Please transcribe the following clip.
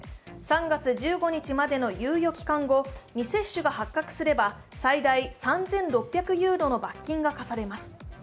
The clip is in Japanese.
３月１５日までの猶予期間後、未接種が発覚すれば最大３６００ユーロの罰金が科されます。